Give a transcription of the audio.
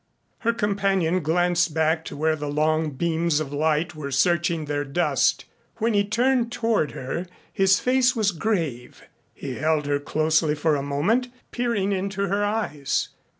Her companion glanced back to where the long beams of light were searching their dust. When he turned toward her his face was grave. He held her closely for a moment, peering into her eyes.